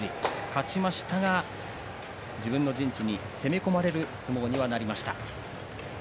勝ちましたが自分の陣地に攻め込まれる相撲にはなりました。